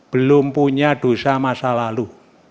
belum punya dosa masa lalu